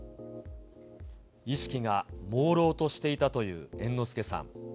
意識がもうろうとしていたという猿之助さん。